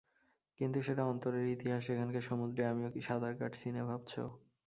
কিন্তু সেটা অন্তরের ইতিহাস, সেখানকার সমুদ্রে আমিও কি সাঁতার কাটছি নে ভাবছ।